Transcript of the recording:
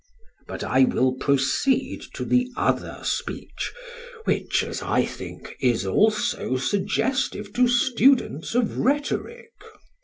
But I will proceed to the other speech, which, as I think, is also suggestive to students of rhetoric.